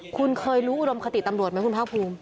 คุณเคยรู้อุดมคติตำรวจไหมคุณภาคภูมิ